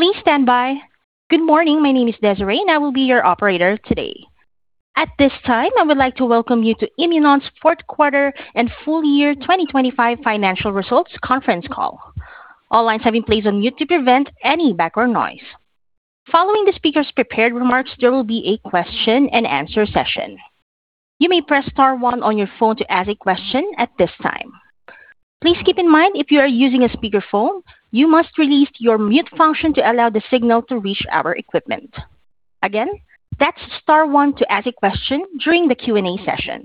Please stand by. Good morning. My name is Desiree, and I will be your operator today. At this time, I would like to welcome you to Imunon's fourth quarter and full year 2025 financial results conference call. All lines have been placed on mute to prevent any background noise. Following the speaker's prepared remarks, there will be a question-and-answer session. You may press star one on your phone to ask a question at this time. Please keep in mind if you are using a speakerphone, you must release your mute function to allow the signal to reach our equipment. Again, that's star one to ask a question during the Q&A session.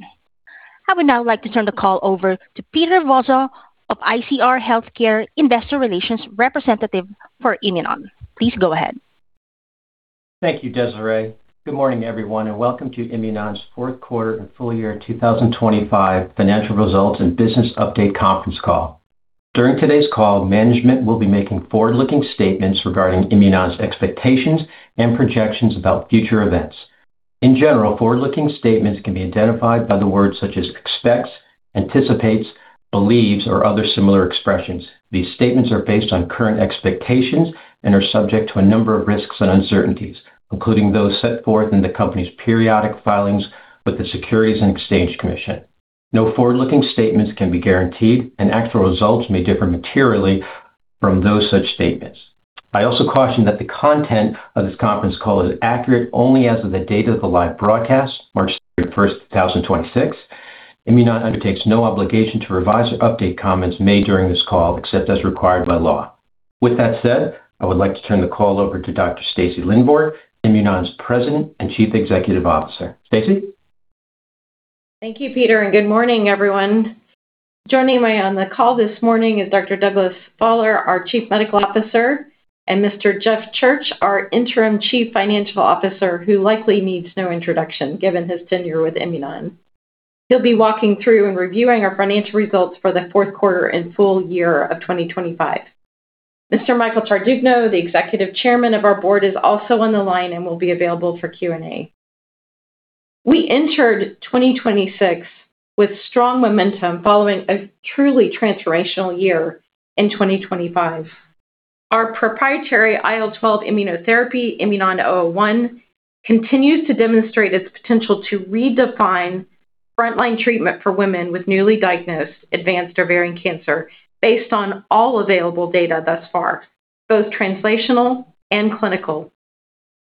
I would now like to turn the call over to Peter Vozzo of ICR Healthcare, investor relations representative for Imunon. Please go ahead. Thank you, Desiree. Good morning, everyone, and welcome to Imunon's fourth quarter and full year 2025 financial results and business update conference call. During today's call, management will be making forward-looking statements regarding Imunon's expectations and projections about future events. In general, forward-looking statements can be identified by the words such as expects, anticipates, believes, or other similar expressions. These statements are based on current expectations and are subject to a number of risks and uncertainties, including those set forth in the company's periodic filings with the Securities and Exchange Commission. No forward-looking statements can be guaranteed, and actual results may differ materially from those such statements. I also caution that the content of this conference call is accurate only as of the date of the live broadcast, March 31, 2026. Imunon undertakes no obligation to revise or update comments made during this call, except as required by law. With that said, I would like to turn the call over to Dr. Stacy Lindborg, Imunon's President and Chief Executive Officer. Stacy? Thank you, Peter, and good morning, everyone. Joining me on the call this morning is Dr. Douglas Faller, our Chief Medical Officer, and Mr. Jeff Church, our Interim Chief Financial Officer, who likely needs no introduction given his tenure with Imunon. He'll be walking through and reviewing our financial results for the fourth quarter and full year of 2025. Mr. Michael Tardugno, the Executive Chairman of our board, is also on the line and will be available for Q&A. We entered 2026 with strong momentum following a truly transformational year in 2025. Our proprietary IL-12 immunotherapy, IMNN-001, continues to demonstrate its potential to redefine frontline treatment for women with newly diagnosed advanced ovarian cancer based on all available data thus far, both translational and clinical.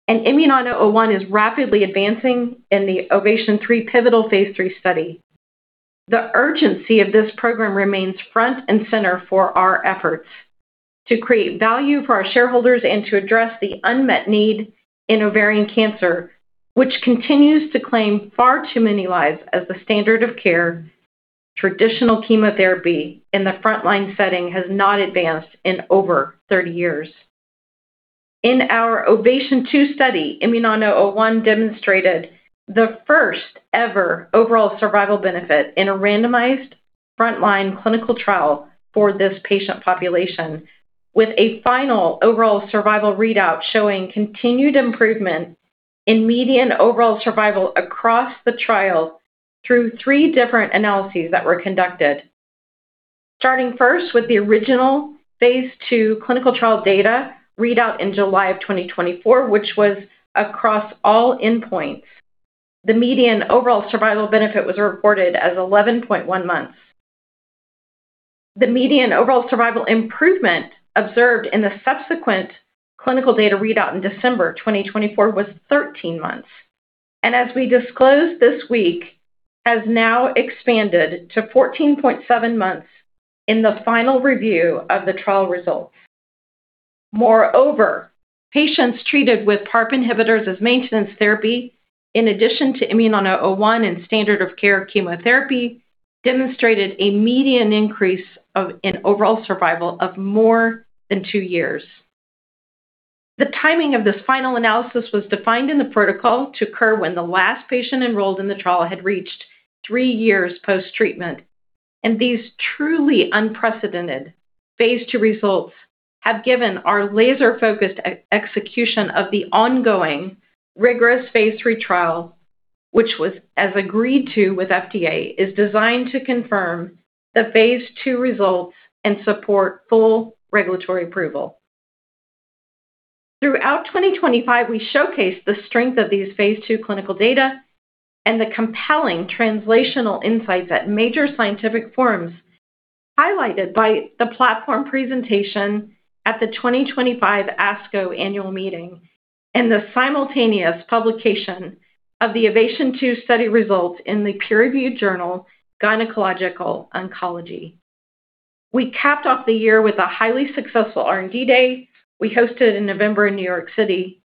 IMNN-001 is rapidly advancing in the OVATION 3 pivotal Phase III study. The urgency of this program remains front and center for our efforts to create value for our shareholders and to address the unmet need in ovarian cancer, which continues to claim far too many lives as the standard of care. Traditional chemotherapy in the frontline setting has not advanced in over 30 years. In our OVATION 2 study, IMNN-001 demonstrated the first-ever overall survival benefit in a randomized frontline clinical trial for this patient population, with a final overall survival readout showing continued improvement in median overall survival across the trial through three different analyses that were conducted. Starting first with the original Phase II clinical trial data readout in July 2024, which was across all endpoints. The median overall survival benefit was reported as 11.1 months. The median overall survival improvement observed in the subsequent clinical data readout in December 2024 was 13 months. As we disclosed this week, has now expanded to 14.7 months in the final review of the trial results. Moreover, patients treated with PARP inhibitors as maintenance therapy, in addition to IMNN-001 and standard of care chemotherapy, demonstrated a median increase in overall survival of more than two years. The timing of this final analysis was defined in the protocol to occur when the last patient enrolled in the trial had reached three years post-treatment. These truly unprecedented Phase II results have given our laser-focused execution of the ongoing rigorous Phase III trial, which was as agreed to with FDA, is designed to confirm the Phase II results and support full regulatory approval. Throughout 2025, we showcased the strength of these Phase II clinical data and the compelling translational insights at major scientific forums, highlighted by the platform presentation at the 2025 ASCO annual meeting and the simultaneous publication of the OVATION 2 study results in the peer-reviewed journal, Gynecologic Oncology. We capped off the year with a highly successful R&D day we hosted in November in New York City,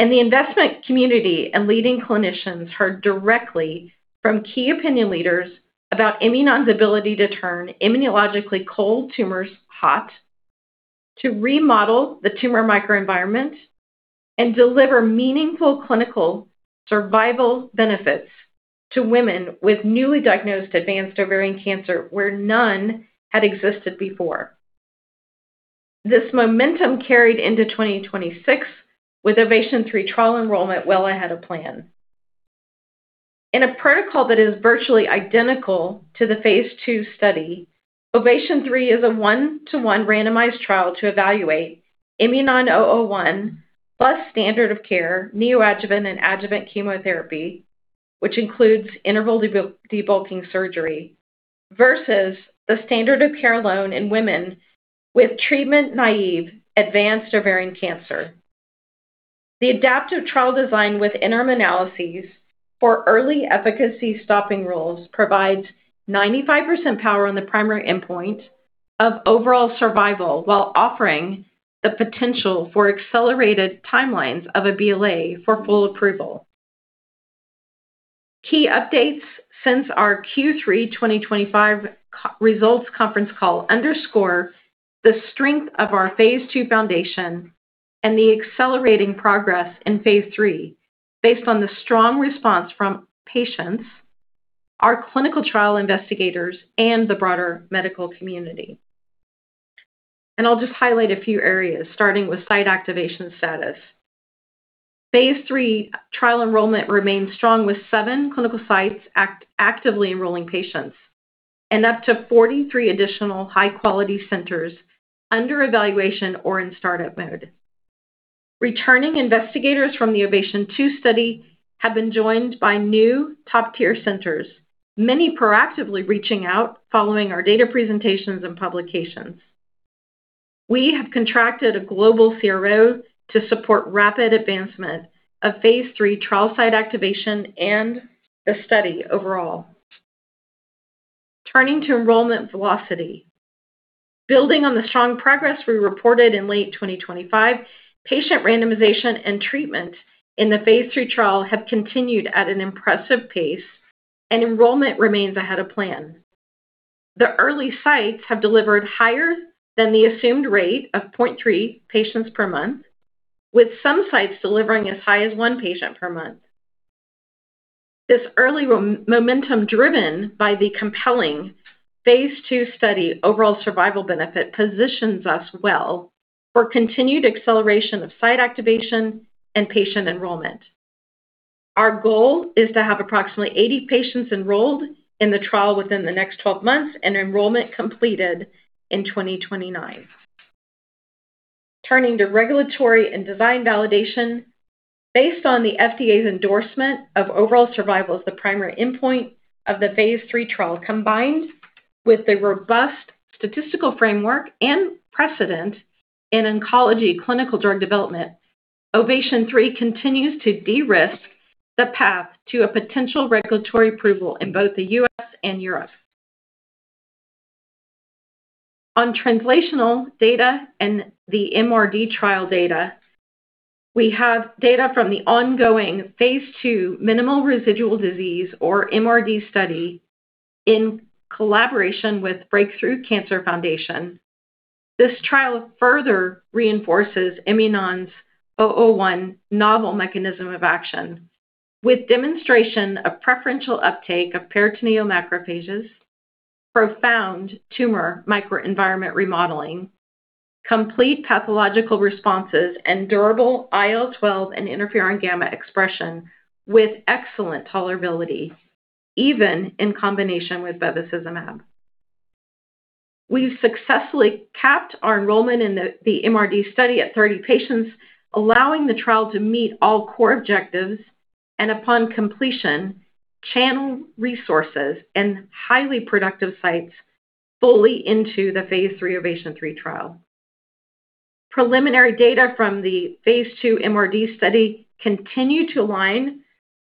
and the investment community and leading clinicians heard directly from key opinion leaders about Imunon's ability to turn immunologically cold tumors hot, to remodel the tumor microenvironment and deliver meaningful clinical survival benefits to women with newly diagnosed advanced ovarian cancer where none had existed before. This momentum carried into 2026 with OVATION 3 trial enrollment well ahead of plan. In a protocol that is virtually identical to the Phase II study, OVATION 3 is a one-to-one randomized trial to evaluate IMNN-001 plus standard of care neoadjuvant and adjuvant chemotherapy, which includes interval debulking surgery, versus the standard of care alone in women with treatment-naive advanced ovarian cancer. The adaptive trial design with interim analyses for early efficacy stopping rules provides 95% power on the primary endpoint of overall survival while offering the potential for accelerated timelines of a BLA for full approval. Key updates since our Q3 2025 conference call underscore the strength of our Phase II foundation and the accelerating progress in Phase III based on the strong response from patients, our clinical trial investigators, and the broader medical community. I'll just highlight a few areas, starting with site activation status. Phase III trial enrollment remains strong with seven clinical sites actively enrolling patients and up to 43 additional high-quality centers under evaluation or in start-up mode. Returning investigators from the OVATION 2 study have been joined by new top-tier centers, many proactively reaching out following our data presentations and publications. We have contracted a global CRO to support rapid advancement of Phase III trial site activation and the study overall. Turning to enrollment velocity. Building on the strong progress we reported in late 2025, patient randomization and treatment in the Phase III trial have continued at an impressive pace, and enrollment remains ahead of plan. The early sites have delivered higher than the assumed rate of 0.3 patients per month, with some sites delivering as high as 1 patient per month. This early momentum, driven by the compelling Phase II study overall survival benefit, positions us well for continued acceleration of site activation and patient enrollment. Our goal is to have approximately 80 patients enrolled in the trial within the next 12 months and enrollment completed in 2029. Turning to regulatory and design validation. Based on the FDA's endorsement of overall survival as the primary endpoint of the Phase III trial, combined with the robust statistical framework and precedent in oncology clinical drug development, OVATION 3 continues to de-risk the path to a potential regulatory approval in both the U.S. and Europe. On translational data and the MRD trial data, we have data from the ongoing Phase II minimal residual disease, or MRD study, in collaboration with Break Through Cancer. This trial further reinforces IMNN-001 novel mechanism of action with demonstration of preferential uptake of peritoneal macrophages, profound tumor microenvironment remodeling, complete pathological responses, and durable IL-12 and interferon gamma expression with excellent tolerability, even in combination with bevacizumab. We've successfully capped our enrollment in the MRD study at 30 patients, allowing the trial to meet all core objectives and, upon completion, channel resources and highly productive sites fully into the Phase III OVATION 3 trial. Preliminary data from the Phase II MRD study continue to align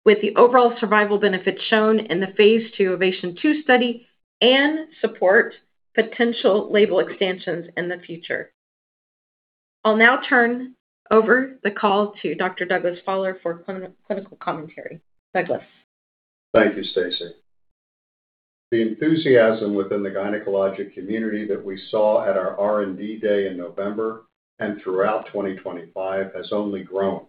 with the overall survival benefits shown in the Phase II OVATION 2 study and support potential label expansions in the future. I'll now turn over the call to Dr. Douglas Faller for clinical commentary. Douglas. Thank you, Stacy. The enthusiasm within the gynecologic community that we saw at our R&D day in November and throughout 2025 has only grown.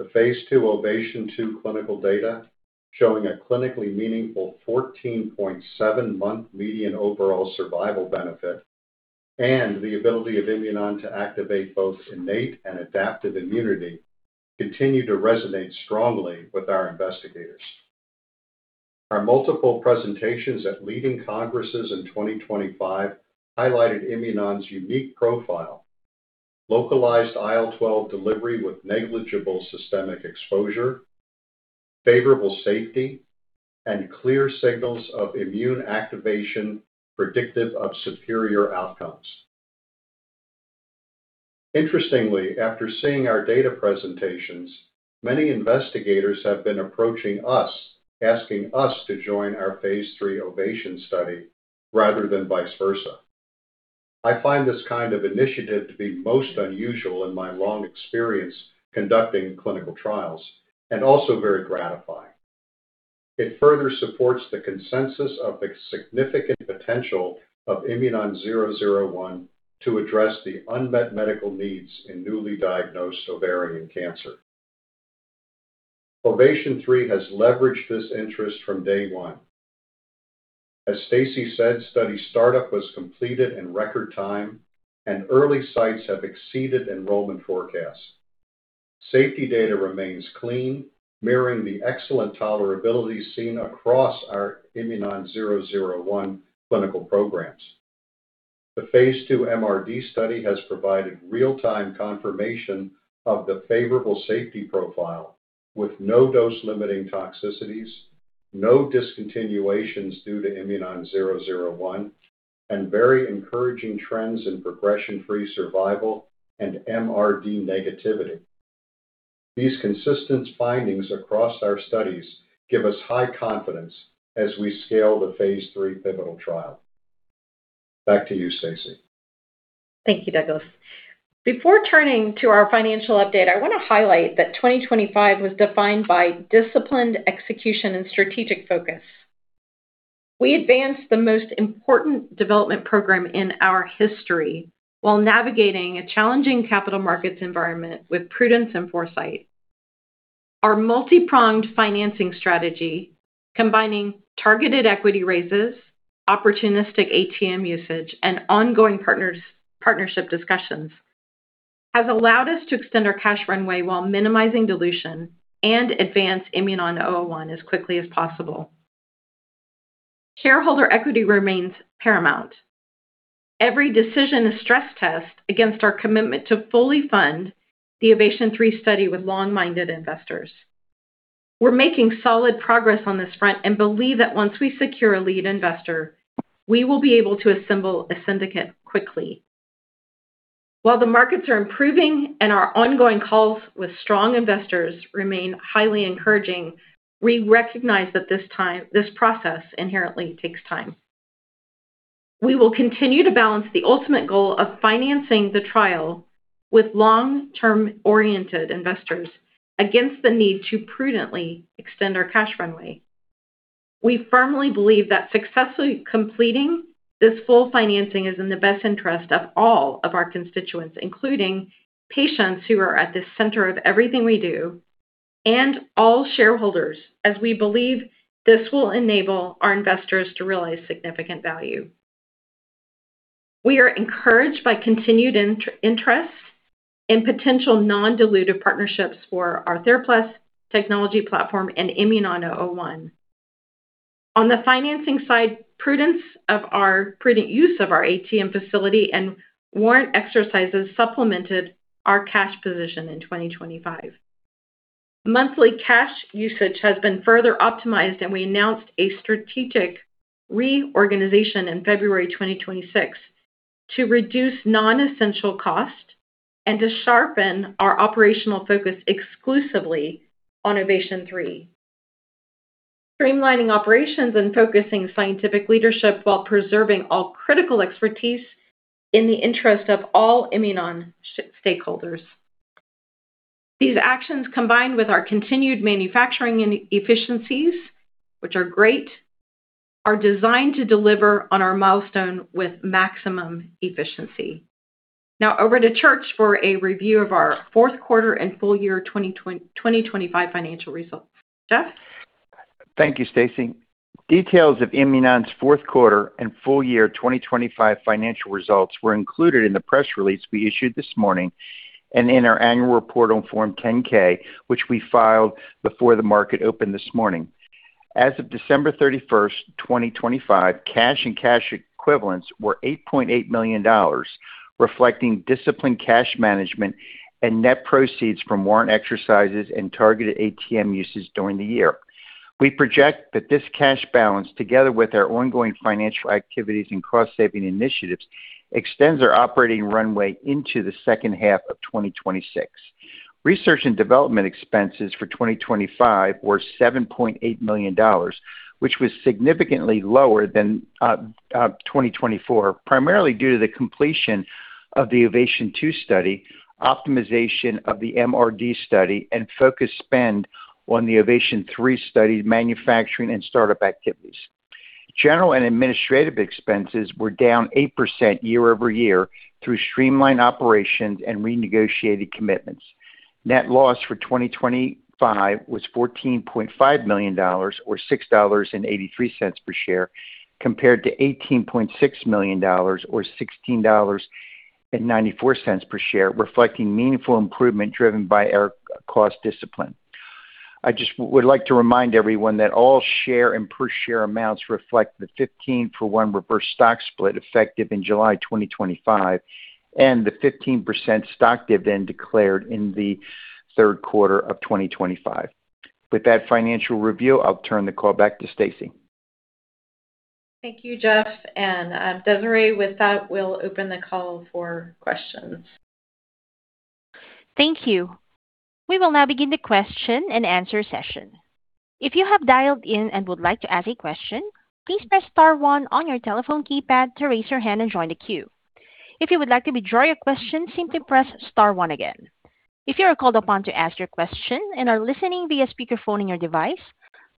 The Phase II OVATION 2 clinical data showing a clinically meaningful 14.7-month median overall survival benefit and the ability of Imunon to activate both innate and adaptive immunity continue to resonate strongly with our investigators. Our multiple presentations at leading congresses in 2025 highlighted Imunon's unique profile, localized IL-12 delivery with negligible systemic exposure, favorable safety, and clear signals of immune activation predictive of superior outcomes. Interestingly, after seeing our data presentations, many investigators have been approaching us, asking us to join our Phase III OVATION study rather than vice versa. I find this kind of initiative to be most unusual in my long experience conducting clinical trials and also very gratifying. It further supports the consensus of the significant potential of IMNN-001 to address the unmet medical needs in newly diagnosed ovarian cancer. OVATION 3 has leveraged this interest from day one. As Stacy said, study startup was completed in record time and early sites have exceeded enrollment forecasts. Safety data remains clean, mirroring the excellent tolerability seen across our IMNN-001 clinical programs. The Phase II MRD study has provided real-time confirmation of the favorable safety profile with no dose-limiting toxicities, no discontinuations due to IMNN-001, and very encouraging trends in progression-free survival and MRD negativity. These consistent findings across our studies give us high confidence as we scale the Phase III pivotal trial. Back to you, Stacy. Thank you, Douglas. Before turning to our financial update, I want to highlight that 2025 was defined by disciplined execution and strategic focus. We advanced the most important development program in our history while navigating a challenging capital markets environment with prudence and foresight. Our multi-pronged financing strategy, combining targeted equity raises, opportunistic ATM usage, and ongoing partners and partnership discussions, has allowed us to extend our cash runway while minimizing dilution and advance IMNN-001 as quickly as possible. Shareholder equity remains paramount. Every decision is stress-tested against our commitment to fully fund the OVATION 3 study with like-minded investors. We're making solid progress on this front and believe that once we secure a lead investor, we will be able to assemble a syndicate quickly. While the markets are improving and our ongoing calls with strong investors remain highly encouraging, we recognize that this process inherently takes time. We will continue to balance the ultimate goal of financing the trial with long-term oriented investors against the need to prudently extend our cash runway. We firmly believe that successfully completing this full financing is in the best interest of all of our constituents, including patients who are at the center of everything we do and all shareholders, as we believe this will enable our investors to realize significant value. We are encouraged by continued interests and potential non-dilutive partnerships for our TheraPlas technology platform and IMNN-001. On the financing side, prudent use of our ATM facility and warrant exercises supplemented our cash position in 2025. Monthly cash usage has been further optimized, and we announced a strategic reorganization in February 2026 to reduce non-essential costs and to sharpen our operational focus exclusively on OVATION 3. Streamlining operations and focusing scientific leadership while preserving all critical expertise in the interest of all Imunon stakeholders. These actions, combined with our continued manufacturing and efficiencies, which are great, are designed to deliver on our milestone with maximum efficiency. Now over to Church for a review of our fourth quarter and full year 2025 financial results. Jeff? Thank you, Stacy. Details of Imunon's fourth quarter and full year 2025 financial results were included in the press release we issued this morning and in our annual report on Form 10-K, which we filed before the market opened this morning. As of December 31, 2025, cash and cash equivalents were $8.8 million, reflecting disciplined cash management and net proceeds from warrant exercises and targeted ATM usage during the year. We project that this cash balance, together with our ongoing financial activities and cost-saving initiatives, extends our operating runway into the second half of 2026. Research and development expenses for 2025 were $7.8 million, which was significantly lower than twenty twenty-four, primarily due to the completion of the OVATION 2 study, optimization of the MRD study, and focused spend on the OVATION 3 study's manufacturing and startup activities. General and administrative expenses were down 8% year-over-year through streamlined operations and renegotiated commitments. Net loss for 2025 was $14.5 million or $6.83 per share, compared to $18.6 million or $16.94 per share, reflecting meaningful improvement driven by our cost discipline. I just would like to remind everyone that all share and per share amounts reflect the 15-for one reverse stock split effective in July 2025 and the 15% stock dividend declared in the third quarter of 2025. With that financial review, I'll turn the call back to Stacy. Thank you, Jeff. Desiree, with that, we'll open the call for questions. Thank you. We will now begin the question and answer session. If you have dialed in and would like to ask a question, please press star one on your telephone keypad to raise your hand and join the queue. If you would like to withdraw your question, simply press star one again. If you are called upon to ask your question and are listening via speakerphone in your device,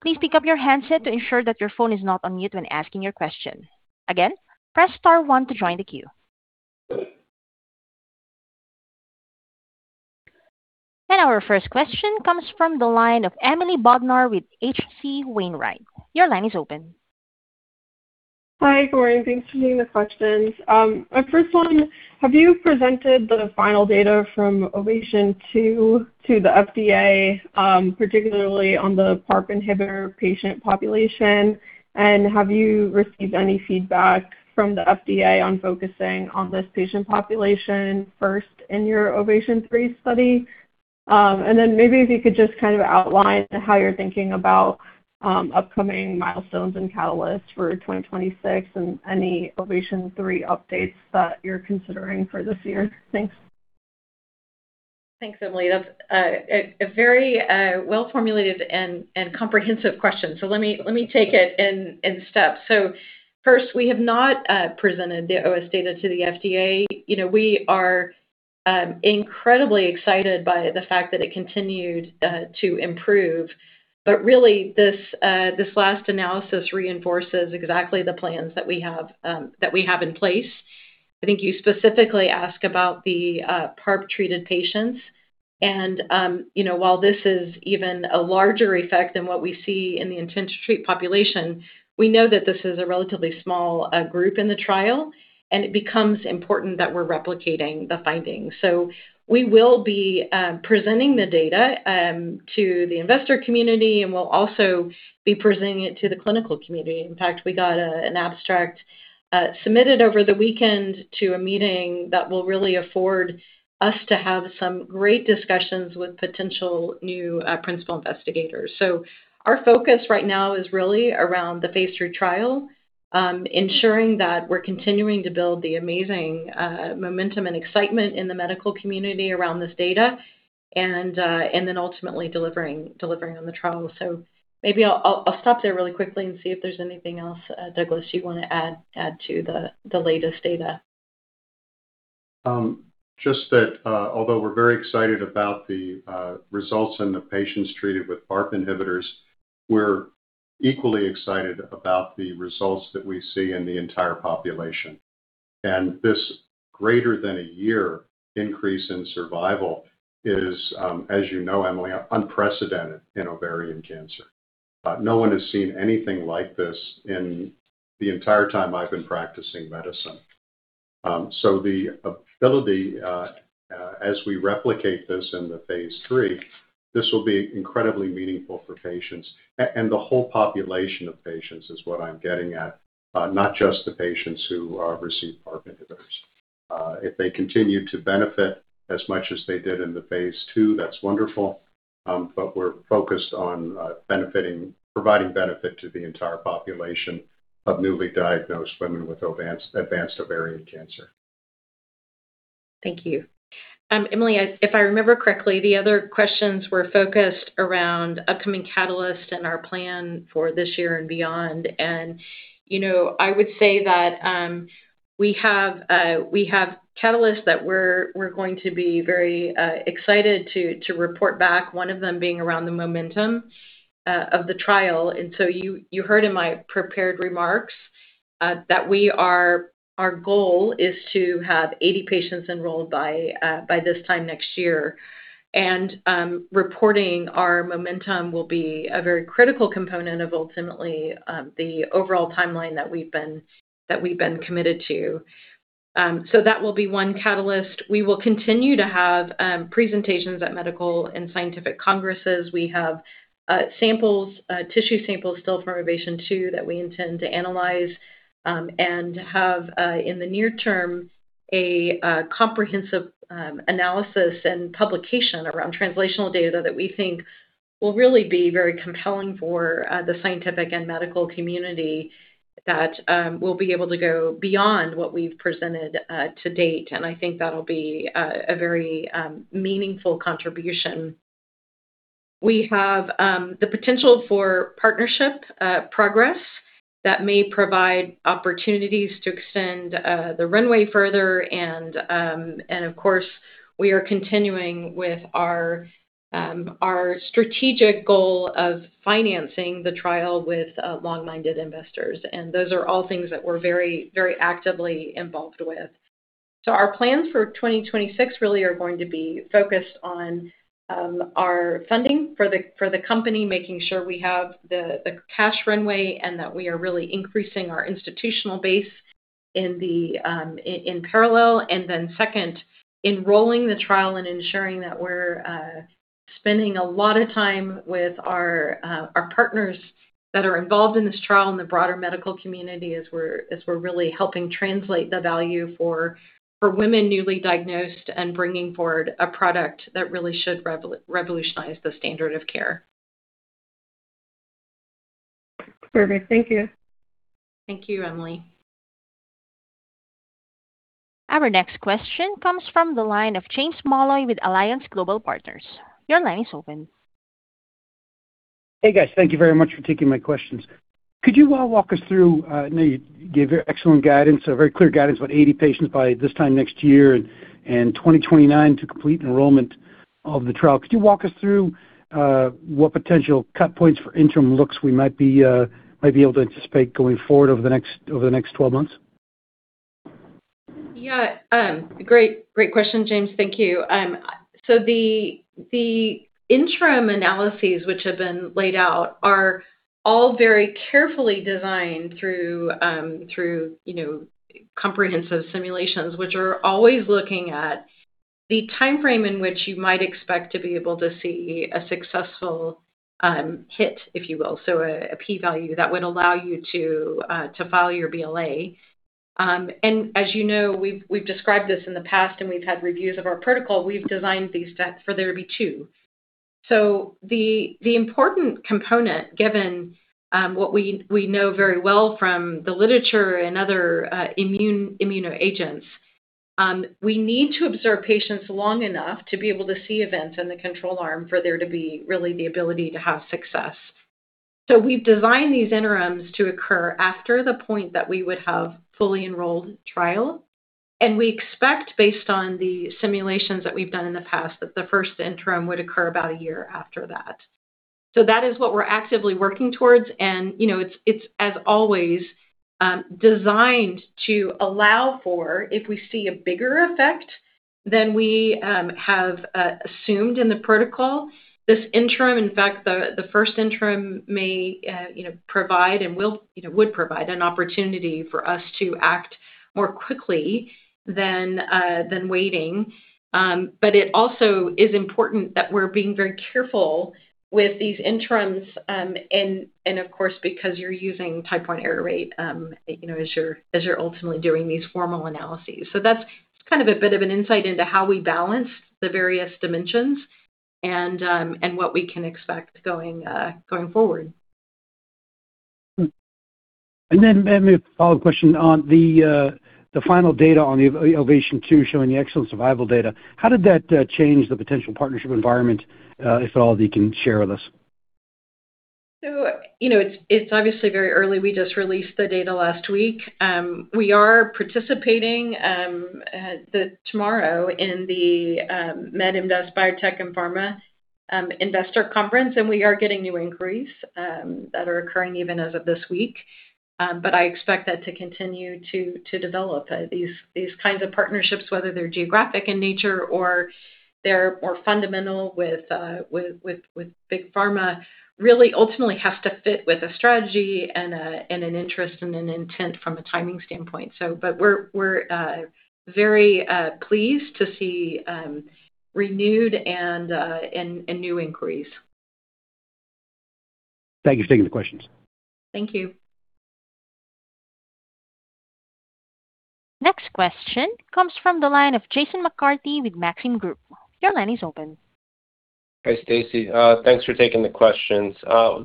please pick up your handset to ensure that your phone is not on mute when asking your question. Again, press star one to join the queue. Our first question comes from the line of Emily Bodnar with H.C. Wainwright. Your line is open. Hi, Lauren. Thanks for taking the questions. My first one, have you presented the final data from OVATION002 to the FDA, particularly on the PARP inhibitor patient population? Have you received any feedback from the FDA on focusing on this patient population first in your OVATION003 study? Maybe if you could just kind of outline how you're thinking about upcoming milestones and catalysts for 2026 and any OVATION003 updates that you're considering for this year. Thanks. Thanks, Emily. That's a very well-formulated and comprehensive question. Let me take it in steps. First, we have not presented the OS data to the FDA. You know, we are incredibly excited by the fact that it continued to improve. Really, this last analysis reinforces exactly the plans that we have in place. I think you specifically ask about the PARP-treated patients. You know, while this is even a larger effect than what we see in the intent to treat population, we know that this is a relatively small group in the trial, and it becomes important that we're replicating the findings. We will be presenting the data to the investor community, and we'll also be presenting it to the clinical community. In fact, we got an abstract submitted over the weekend to a meeting that will really afford us to have some great discussions with potential new principal investigators. Our focus right now is really around the Phase III trial, ensuring that we're continuing to build the amazing momentum and excitement in the medical community around this data and then ultimately delivering on the trial. Maybe I'll stop there really quickly and see if there's anything else, Douglas, you want to add to the latest data. Just that, although we're very excited about the results in the patients treated with PARP inhibitors, we're equally excited about the results that we see in the entire population. This greater than a year increase in survival is, as you know, Emily, unprecedented in ovarian cancer. No one has seen anything like this in the entire time I've been practicing medicine. The ability, as we replicate this in the Phase III, this will be incredibly meaningful for patients. The whole population of patients is what I'm getting at, not just the patients who receive PARP inhibitors. If they continue to benefit as much as they did in the Phase II, that's wonderful. We're focused on providing benefit to the entire population of newly diagnosed women with advanced ovarian cancer. Thank you. Emily, if I remember correctly, the other questions were focused around upcoming catalyst and our plan for this year and beyond. You know, I would say that we have catalysts that we're going to be very excited to report back, one of them being around the momentum of the trial. You heard in my prepared remarks that our goal is to have 80 patients enrolled by this time next year. Reporting our momentum will be a very critical component of ultimately the overall timeline that we've been committed to. That will be one catalyst. We will continue to have presentations at medical and scientific congresses. We have samples, tissue samples still from OVATION 2 that we intend to analyze and have in the near term a comprehensive analysis and publication around translational data that we think will really be very compelling for the scientific and medical community that will be able to go beyond what we've presented to date. I think that'll be a very meaningful contribution. We have the potential for partnership progress that may provide opportunities to extend the runway further. Of course, we are continuing with our strategic goal of financing the trial with long-minded investors. Those are all things that we're very actively involved with. Our plans for 2026 really are going to be focused on our funding for the company, making sure we have the cash runway and that we are really increasing our institutional base in parallel. Second, enrolling the trial and ensuring that we're spending a lot of time with our partners that are involved in this trial and the broader medical community as we're really helping translate the value for women newly diagnosed and bringing forward a product that really should revolutionize the standard of care. Perfect. Thank you. Thank you, Emily. Our next question comes from the line of James Molloy with Alliance Global Partners. Your line is open. Hey, guys. Thank you very much for taking my questions. Could you walk us through now you gave your excellent guidance, a very clear guidance about 80 patients by this time next year and 2029 to complete enrollment of the trial. Could you walk us through what potential cut points for interim looks we might be able to anticipate going forward over the next 12 months? Yeah. Great question, James. Thank you. The interim analyses which have been laid out are all very carefully designed through, you know, comprehensive simulations, which are always looking at the timeframe in which you might expect to be able to see a successful hit, if you will. A P value that would allow you to file your BLA. As you know, we've described this in the past, and we've had reviews of our protocol. We've designed these studies for there to be two. The important component, given what we know very well from the literature and other immuno agents, we need to observe patients long enough to be able to see events in the control arm for there to be really the ability to have success. We've designed these interims to occur after the point that we would have fully enrolled the trial. We expect, based on the simulations that we've done in the past, that the first interim would occur about a year after that. That is what we're actively working towards. It's as always designed to allow for if we see a bigger effect than we have assumed in the protocol. This interim, in fact, the first interim would provide an opportunity for us to act more quickly than waiting. But it also is important that we're being very careful with these interims, and of course, because you're using type one error rate, as you're ultimately doing these formal analyses. That's kind of a bit of an insight into how we balance the various dimensions and what we can expect going forward. Maybe a follow-up question on the final data on the OVATION 2 showing the excellent survival data. How did that change the potential partnership environment, if all you can share with us? You know, it's obviously very early. We just released the data last week. We are participating tomorrow in the MedInvest Biotech & Pharma Investor Conference, and we are getting new inquiries that are occurring even as of this week. I expect that to continue to develop. These kinds of partnerships, whether they're geographic in nature or they're more fundamental with big pharma, really ultimately has to fit with a strategy and an interest and an intent from a timing standpoint. We're very pleased to see renewed and new inquiries. Thank you for taking the questions. Thank you. Next question comes from the line of Jason McCarthy with Maxim Group. Your line is open. Hey, Stacy. Thanks for taking the questions.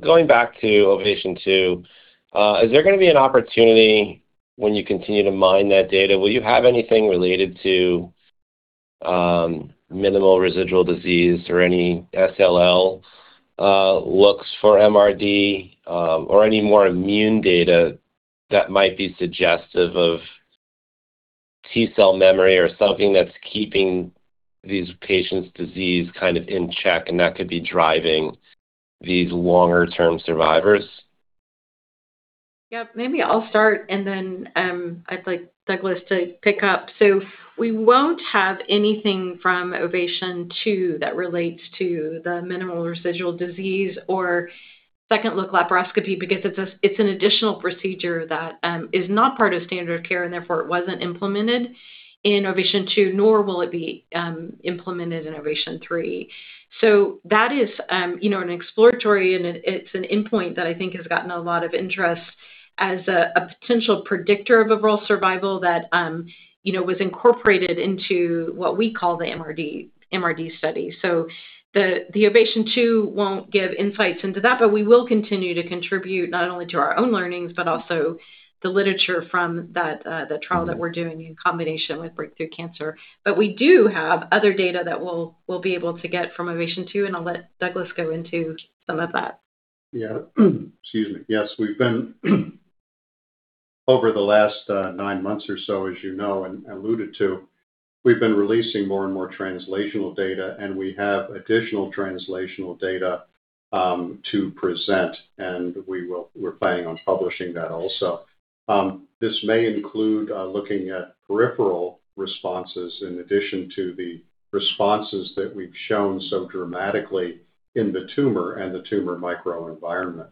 Going back to OVATION 2, is there gonna be an opportunity when you continue to mine that data? Will you have anything related to minimal residual disease or any second-look laparotomy looks for MRD, or any more immune data that might be suggestive of T-cell memory or something that's keeping these patients' disease kind of in check, and that could be driving these longer-term survivors? Yeah. Maybe I'll start, and then I'd like Douglas to pick up. We won't have anything from OVATION 2 that relates to the minimal residual disease or second-look laparotomy because it's an additional procedure that is not part of standard of care, and therefore it wasn't implemented in OVATION 2, nor will it be implemented in OVATION 3. That is, you know, an exploratory, and it's an endpoint that I think has gotten a lot of interest as a potential predictor of overall survival that, you know, was incorporated into what we call the MRD study. The OVATION 2 won't give insights into that, but we will continue to contribute not only to our own learnings, but also the literature from that the trial that we're doing in combination with Break Through Cancer. We do have other data that we'll be able to get from OVATION 2, and I'll let Douglas go into some of that. Yeah. Excuse me. Yes. We've been over the last nine months or so, as you know and alluded to, we've been releasing more and more translational data, and we have additional translational data to present, and we're planning on publishing that also. This may include looking at peripheral responses in addition to the responses that we've shown so dramatically in the tumor and the tumor microenvironment.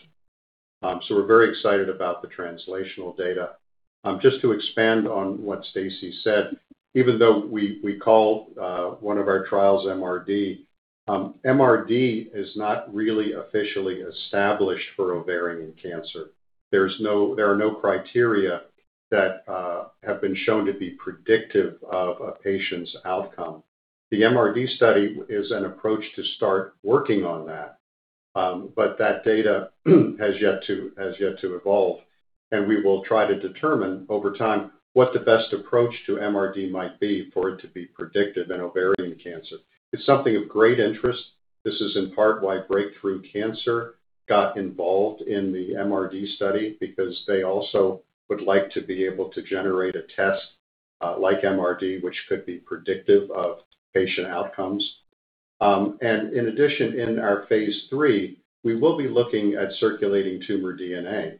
We're very excited about the translational data. Just to expand on what Stacy said, even though we call one of our trials MRD is not really officially established for ovarian cancer. There are no criteria that have been shown to be predictive of a patient's outcome. The MRD study is an approach to start working on that, but that data has yet to evolve, and we will try to determine over time what the best approach to MRD might be for it to be predictive in ovarian cancer. It's something of great interest. This is in part why Break Through Cancer got involved in the MRD study because they also would like to be able to generate a test, like MRD, which could be predictive of patient outcomes. In addition, in our Phase III, we will be looking at circulating tumor D&A.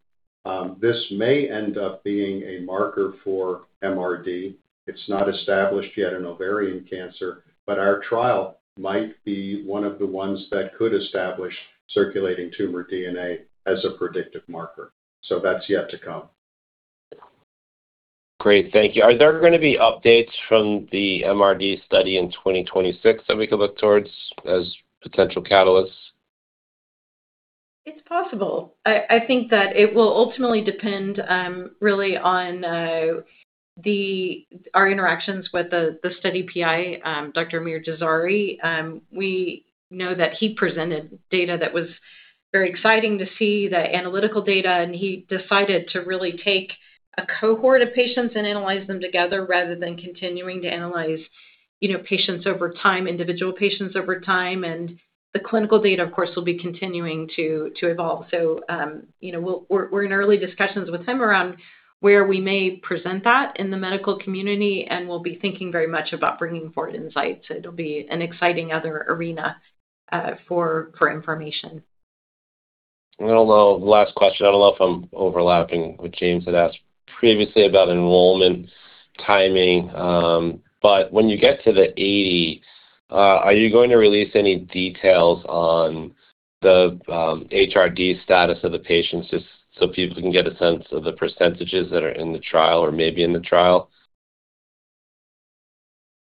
This may end up being a marker for MRD. It's not established yet in ovarian cancer, but our trial might be one of the ones that could establish circulating tumor DNA as a predictive marker. That's yet to come. Great. Thank you. Are there gonna be updates from the MRD study in 2026 that we could look towards as potential catalysts? It's possible. I think that it will ultimately depend really on our interactions with the study PI, Dr. Amir Dazari. We know that he presented data that was very exciting to see, the analytical data, and he decided to really take a cohort of patients and analyze them together rather than continuing to analyze, you know, patients over time, individual patients over time. The clinical data, of course, will be continuing to evolve. You know, we're in early discussions with him around where we may present that in the medical community, and we'll be thinking very much about bringing forward insights. It'll be an exciting other arena for information. The last question, I don't know if I'm overlapping with James had asked previously about enrollment timing. When you get to the 80, are you going to release any details on the HRD status of the patients just so people can get a sense of the percentages that are in the trial or may be in the trial?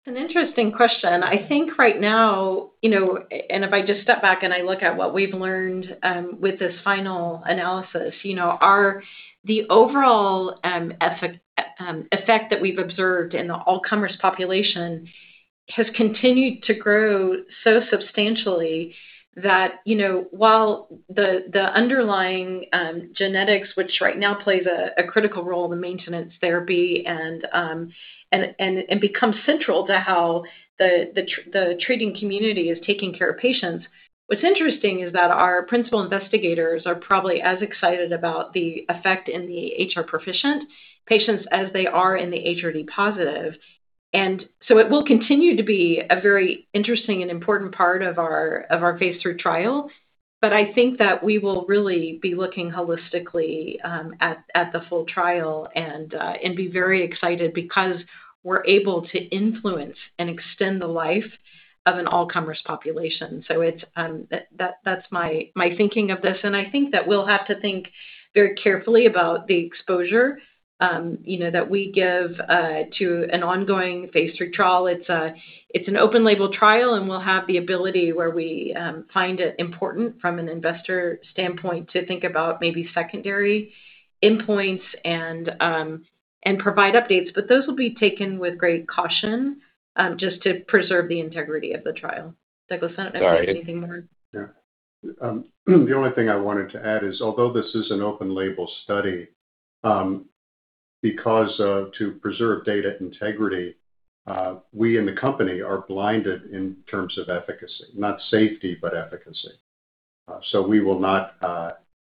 It's an interesting question. I think right now, you know, and if I just step back and I look at what we've learned with this final analysis, you know, the overall effect that we've observed in the all-comers population has continued to grow so substantially that, you know, while the underlying genetics, which right now plays a critical role in the maintenance therapy and become central to how the treating community is taking care of patients. What's interesting is that our principal investigators are probably as excited about the effect in the HR-proficient patients as they are in the HRD-positive. It will continue to be a very interesting and important part of our Phase III trial. I think that we will really be looking holistically at the full trial and be very excited because we're able to influence and extend the life of an all-comers population. It's that. That's my thinking of this. I think that we'll have to think very carefully about the exposure, you know, that we give to an ongoing Phase III trial. It's an open label trial, and we'll have the ability where we find it important from an investor standpoint to think about maybe secondary endpoints and provide updates. Those will be taken with great caution just to preserve the integrity of the trial. Douglas, anything more? Yeah. The only thing I wanted to add is although this is an open label study, because to preserve data integrity, we in the company are blinded in terms of efficacy, not safety, but efficacy. We will not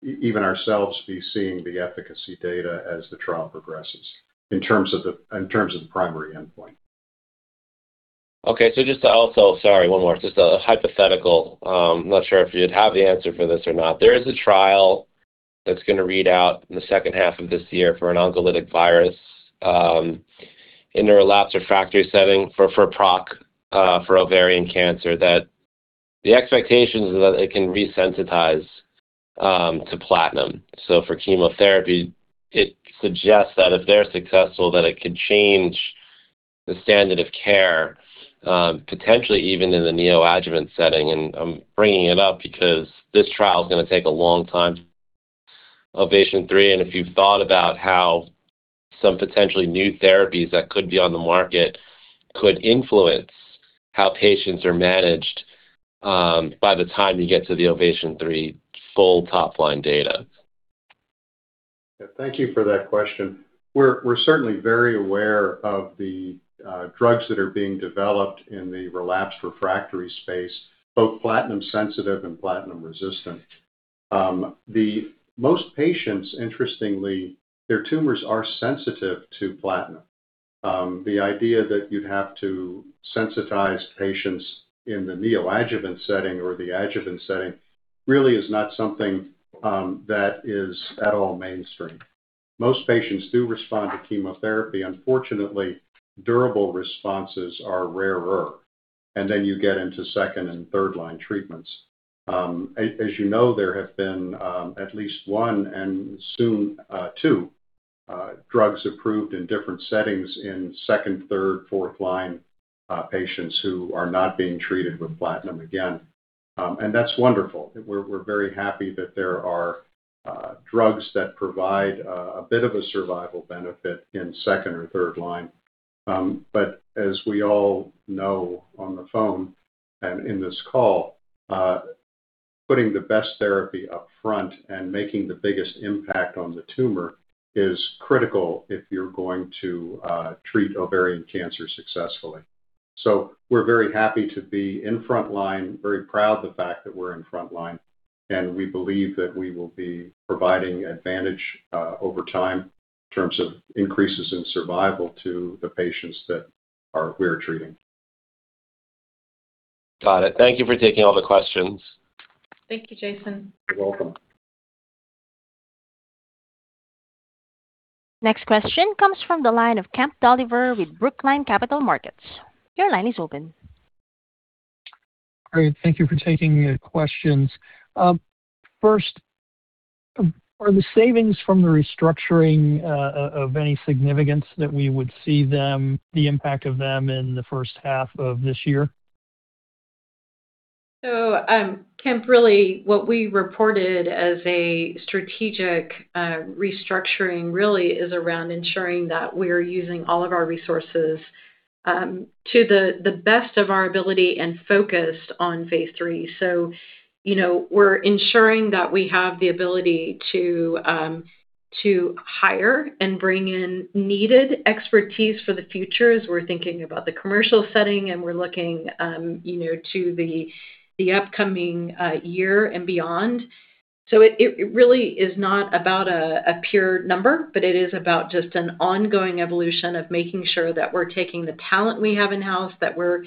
even ourselves be seeing the efficacy data as the trial progresses in terms of the primary endpoint. Just a hypothetical. I'm not sure if you'd have the answer for this or not. There is a trial that's gonna read out in the second half of this year for an oncolytic virus in a relapsed refractory setting for PROC for ovarian cancer that the expectation is that it can resensitize to platinum. So for chemotherapy, it suggests that if they're successful, that it could change the standard of care potentially even in the neoadjuvant setting. I'm bringing it up because this trial is gonna take a long time. OVATION 3, and if you've thought about how some potentially new therapies that could be on the market could influence how patients are managed by the time you get to the OVATION 3 full top-line data. Thank you for that question. We're certainly very aware of the drugs that are being developed in the relapsed refractory space, both platinum sensitive and platinum resistant. The most patients, interestingly, their tumors are sensitive to platinum. The idea that you'd have to sensitize patients in the neoadjuvant setting or the adjuvant setting really is not something that is at all mainstream. Most patients do respond to chemotherapy. Unfortunately, durable responses are rarer, and then you get into second- and third-line treatments. As you know, there have been at least one and soon two drugs approved in different settings in second-, third-, fourth-line patients who are not being treated with platinum again. That's wonderful. We're very happy that there are drugs that provide a bit of a survival benefit in second or third line. As we all know on the phone and in this call, putting the best therapy up front and making the biggest impact on the tumor is critical if you're going to treat ovarian cancer successfully. We're very happy to be in front line, very proud of the fact that we're in front line, and we believe that we will be providing advantage over time in terms of increases in survival to the patients we're treating. Got it. Thank you for taking all the questions. Thank you, Jason. You're welcome. Next question comes from the line of Kemp Dolliver with Brookline Capital Markets. Your line is open. Great. Thank you for taking the questions. First, are the savings from the restructuring of any significance that we would see the impact of them in the first half of this year? Kemp, really what we reported as a strategic restructuring really is around ensuring that we're using all of our resources to the best of our ability and focused on Phase III. You know, we're ensuring that we have the ability to hire and bring in needed expertise for the future as we're thinking about the commercial setting, and we're looking, you know, to the upcoming year and beyond. It really is not about a pure number, but it is about just an ongoing evolution of making sure that we're taking the talent we have in-house, that we're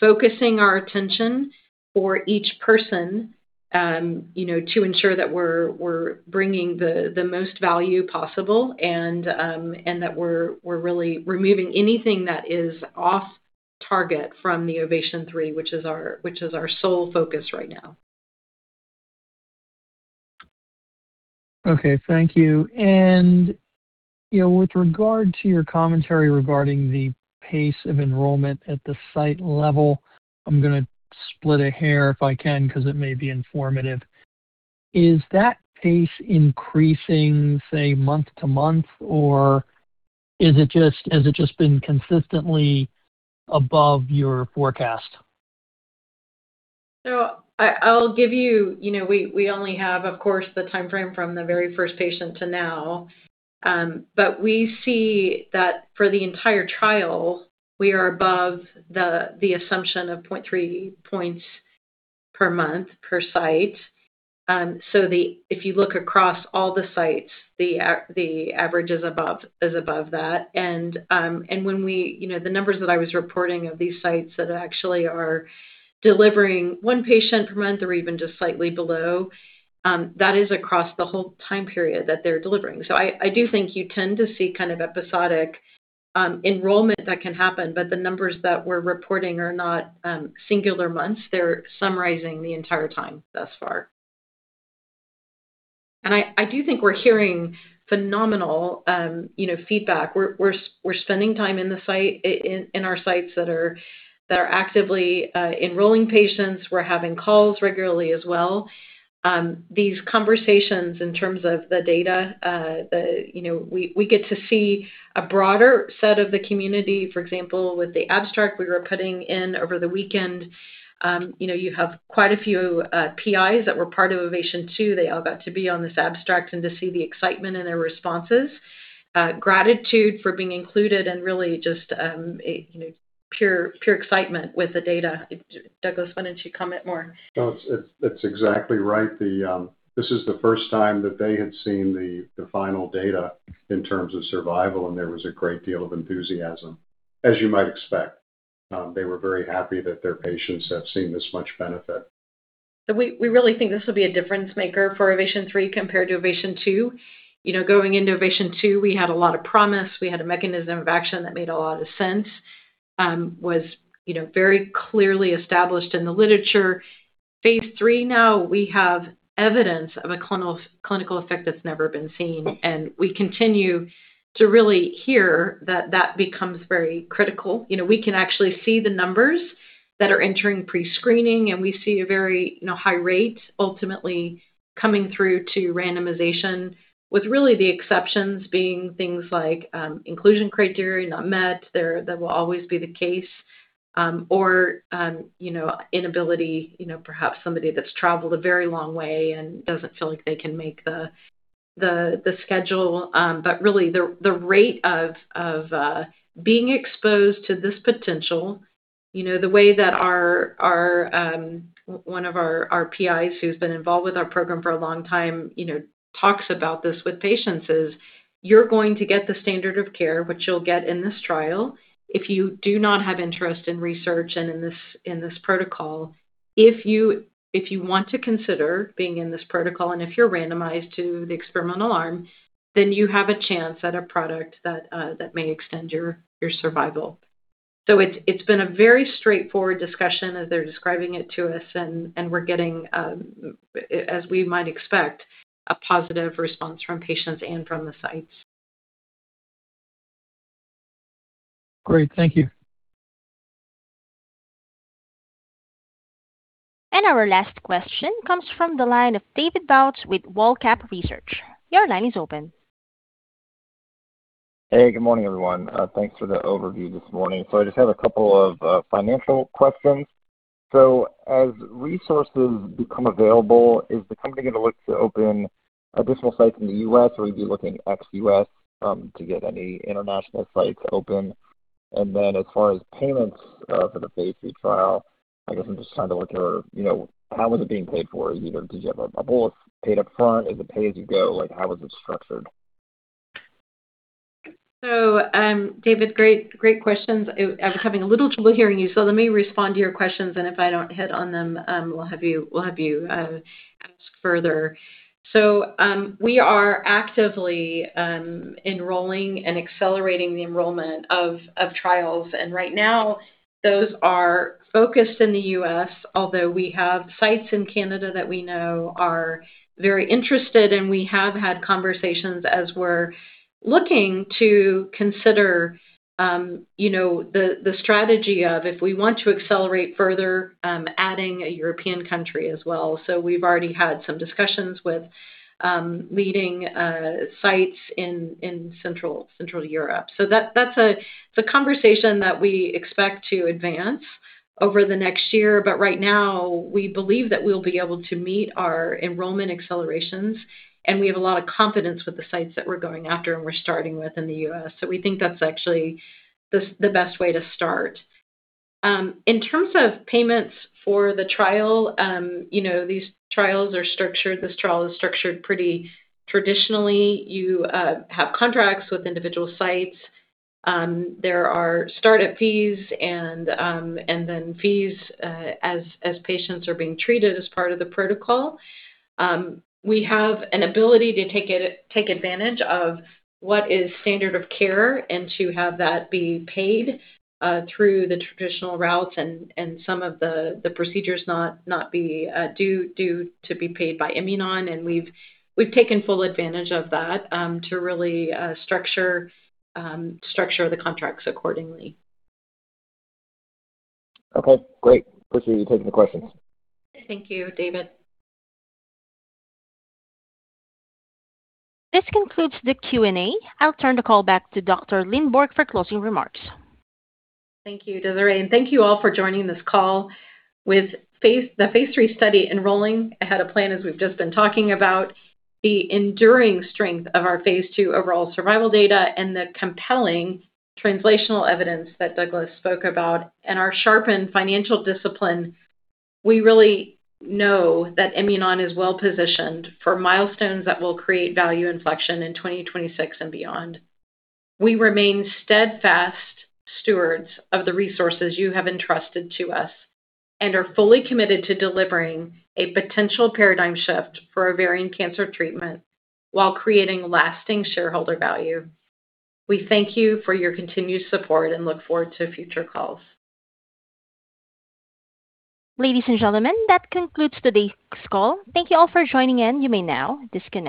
focusing our attention for each person, you know, to ensure that we're bringing the most value possible and that we're really removing anything that is off target from the OVATION 3, which is our sole focus right now. Okay. Thank you. You know, with regard to your commentary regarding the pace of enrollment at the site level, I'm gonna split a hair if I can, 'cause it may be informative. Is that pace increasing, say, month-to-month, or has it just been consistently above your forecast? You know, we only have, of course, the timeframe from the very first patient to now. But we see that for the entire trial, we are above the assumption of 0.3 points per month per site. If you look across all the sites, the average is above that. When we you know the numbers that I was reporting of these sites that actually are delivering one patient per month or even just slightly below, that is across the whole time period that they're delivering. I do think you tend to see kind of episodic enrollment that can happen, but the numbers that we're reporting are not singular months. They're summarizing the entire time thus far. I do think we're hearing phenomenal, you know, feedback. We're spending time in our sites that are actively enrolling patients. We're having calls regularly as well. These conversations in terms of the data. You know, we get to see a broader set of the community. For example, with the abstract we were putting in over the weekend, you know, you have quite a few PIs that were part of OVATION 2. They all got to be on this abstract and to see the excitement in their responses, gratitude for being included and really just, you know, pure excitement with the data. Douglas, why don't you comment more? No, it's exactly right. This is the first time that they had seen the final data in terms of survival, and there was a great deal of enthusiasm, as you might expect. They were very happy that their patients have seen this much benefit. We really think this will be a difference maker for OVATION 3 compared to OVATION 2. You know, going into OVATION 2, we had a lot of promise. We had a mechanism of action that made a lot of sense, you know, very clearly established in the literature. Phase III now we have evidence of a clinical effect that's never been seen, and we continue to really hear that that becomes very critical. You know, we can actually see the numbers that are entering pre-screening, and we see a very, you know, high rate ultimately coming through to randomization, with really the exceptions being things like, inclusion criteria not met. That will always be the case. Or, you know, inability, you know, perhaps somebody that's traveled a very long way and doesn't feel like they can make the schedule. Really, the rate of being exposed to this potential, you know, the way that one of our PIs who's been involved with our program for a long time, you know, talks about this with patients is, "You're going to get the standard of care which you'll get in this trial if you do not have interest in research and in this protocol. If you want to consider being in this protocol and if you're randomized to the experimental arm, then you have a chance at a product that may extend your survival." It's been a very straightforward discussion as they're describing it to us and we're getting, as we might expect, a positive response from patients and from the sites. Great. Thank you. Our last question comes from the line of David Welch with Wolfe Capital Research. Your line is open. Hey, good morning, everyone. Thanks for the overview this morning. I just have a couple of financial questions. As resources become available, is the company gonna look to open additional sites in the U.S. or are you looking ex-U.S. to get any international sites open? As far as payments for the Phase III trial, I guess I'm just trying to look ahead, you know, how is it being paid for? You know, did you have a bullet payment up front? Is it pay-as-you-go? Like, how is it structured? David, great questions. I was having a little trouble hearing you, so let me respond to your questions, and if I don't hit on them, we'll have you ask further. We are actively enrolling and accelerating the enrollment of trials. Right now those are focused in the U.S., although we have sites in Canada that we know are very interested, and we have had conversations as we're looking to consider you know the strategy of if we want to accelerate further adding a European country as well. We've already had some discussions with leading sites in central Europe. That's a conversation that we expect to advance over the next year. Right now, we believe that we'll be able to meet our enrollment accelerations, and we have a lot of confidence with the sites that we're going after and we're starting with in the U.S. We think that's actually the best way to start. In terms of payments for the trial, you know, these trials are structured. This trial is structured pretty traditionally. You have contracts with individual sites. There are start-up fees and then fees as patients are being treated as part of the protocol. We have an ability to take advantage of what is standard of care and to have that be paid through the traditional routes and some of the procedures not be due to be paid by Imunon, and we've taken full advantage of that to really structure the contracts accordingly. Okay, great. Appreciate you taking the questions. Thank you, David. This concludes the Q&A. I'll turn the call back to Dr. Lindborg for closing remarks. Thank you, Desiree, and thank you all for joining this call. With the Phase III study enrolling ahead of plan, as we've just been talking about, the enduring strength of our Phase II overall survival data and the compelling translational evidence that Douglas spoke about and our sharpened financial discipline, we really know that Imunon is well-positioned for milestones that will create value inflection in 2026 and beyond. We remain steadfast stewards of the resources you have entrusted to us and are fully committed to delivering a potential paradigm shift for ovarian cancer treatment while creating lasting shareholder value. We thank you for your continued support and look forward to future calls. Ladies and gentlemen, that concludes today's call. Thank you all for joining in. You may now disconnect.